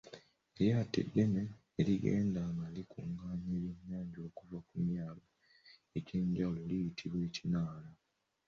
Eryato eddene erigenda nga likungaanya ebyennyanja okuva ku myalo egy’enjawulo liyitibwa ekinaala.